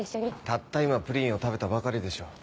たった今プリンを食べたばかりでしょう。